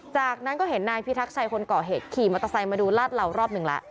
จากนั้นก็เห็นนายพิทักษ์ชัยคนก่อเหตุขี่มอเตอร์ไซค์มาดูลาดเหล่ารอบหนึ่งแล้ว